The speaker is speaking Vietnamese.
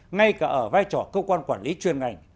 ngay cả ở vai trò cơ quan quản lý chuyên ngành